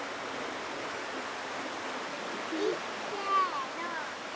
いっせのせ！